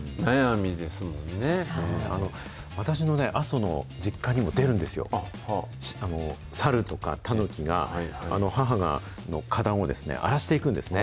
私の阿蘇の実家にも出るんですよ、サルとかタヌキが、母の花壇を荒らしていくんですね。